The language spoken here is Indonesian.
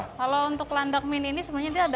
kalau untuk landak mini ini sebenarnya dia ada enam belas